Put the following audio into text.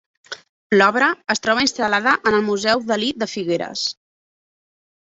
L'obra es troba instal·lada en el Museu Dalí de Figueres.